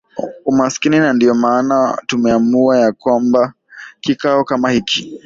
umaskini na ndiyo maana tumeamua ya kwamba kikao kama hiki